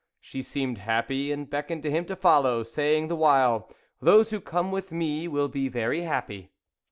She seemed happy and beckoned to him to follow, saying the while " Those who come with me will be very happy."